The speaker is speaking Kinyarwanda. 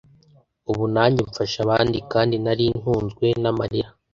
ubu nanjye mfasha abandi kandi nari ntunzwe n’amarira